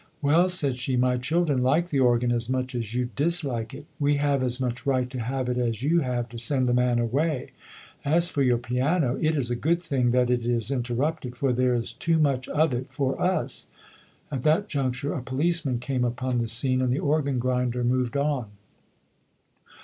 "Well", said she, "my children like the organ as much as you dislike it. We have as much right to have it as you have to send the man SAMUEL COLERIDGE TAYLOR [ 139 away. As for your piano, it is a good thing that it is interrupted, for there is too much of it for us". At that juncture a policeman came upon the scene, and the organ grinder moved on.